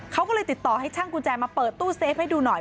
เขาก็เลยติดต่อให้ช่างกุญแจมาเปิดตู้เซฟให้ดูหน่อย